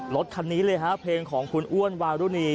รถคันนี้เลยฮะเพลงของคุณอ้วนวารุณี